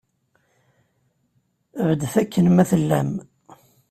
Beddet akken ma tellam.